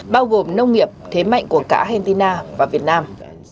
bao gồm nông nghiệp thế mạnh của cả argentina và việt nam